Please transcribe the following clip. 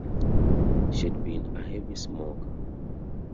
She had been a heavy smoker.